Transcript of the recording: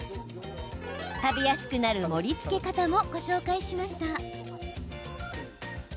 食べやすくなる盛りつけ方もご紹介しました。